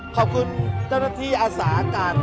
ขอบคุณเจ้าหน้าที่อาสาการ